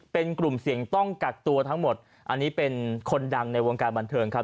เป็นกลุ่มเสี่ยงต้องกักตัวทั้งหมดอันนี้เป็นคนดังในวงการบันเทิงครับ